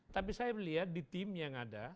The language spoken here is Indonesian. tapi saya melihat di tim yang ada